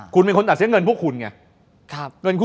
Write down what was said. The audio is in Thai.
คุณเป็นคนอัดเสียเงินพวกคุณไง